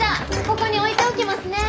ここに置いておきますね。